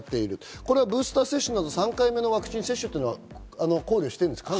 これはブースター接種など３回目のワクチン接種は考慮してるんですか？